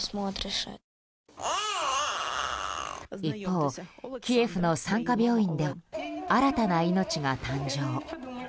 一方、キエフの産科病院では新たな命が誕生。